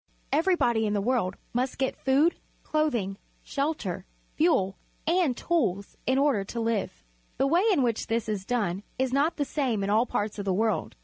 Everybod}' in the world must get food, clothing, shelter, fuel, and tools in order to live. The way in which this is done is not the same in all parts of the world.